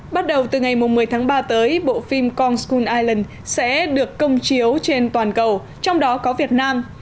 bắt đầu từ ngày một mươi tháng ba tới bộ phim kongskun island sẽ được công chiếu trên toàn cầu trong đó có việt nam